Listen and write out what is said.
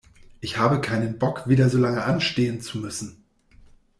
Ich habe keinen Bock, wieder so lange anstehen zu müssen.